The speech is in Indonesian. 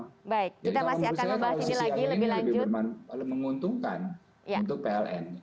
jadi kalau menurut saya kalau sisi ini lebih beruntungkan untuk pln